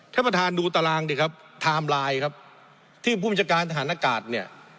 เทพธานดูตารางดิครับครับที่ผู้บิจการทหารอากาศเนี่ย